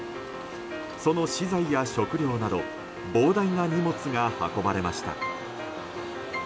その資材や食料など膨大な荷物が運ばれました。